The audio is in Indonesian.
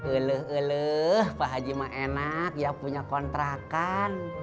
eleh eleh pak haji mah enak ya punya kontrakan